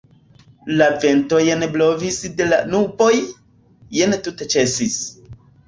La vento jen blovis de la nuboj, jen tute ĉesis.